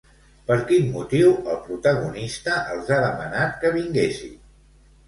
Per quin motiu el protagonista els ha demanat que vinguessin?